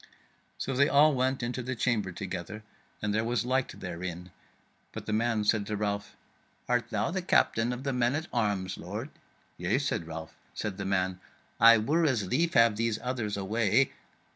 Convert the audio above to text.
So they all went into the chamber together and there was light therein; but the man said to Ralph: "Art thou the Captain of the men at arms, lord?" "Yea," said Ralph. Said the man, "I were as lief have these others away."